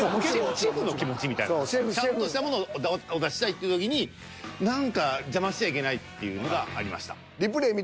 みたいなちゃんとしたものをお出ししたいっていう時に何か邪魔しちゃいけないっていうのがありました。